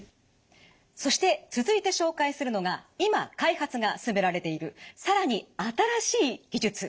そして続いて紹介するのが今開発が進められている更に新しい技術。